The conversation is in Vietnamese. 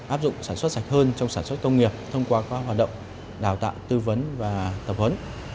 áp dụng sản xuất sạch hơn trong sản xuất công nghiệp thông qua các hoạt động đào tạo tư vấn và tập huấn